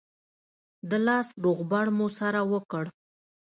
د لاس روغبړ مو سره وکړ.